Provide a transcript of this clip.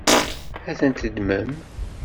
Ad tent-teddmem?